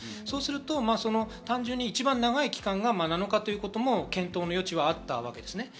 そうすると単純に一番長い期間が７日ということも検討の余地があったわけです。